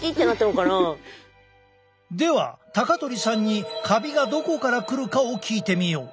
では高鳥さんにカビがどこからくるかを聞いてみよう。